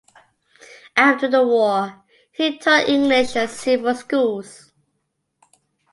After the war, he taught English at several schools.